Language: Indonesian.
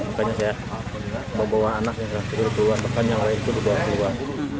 bukannya saya bawa anaknya bawa keluar bukan yang lain bawa keluar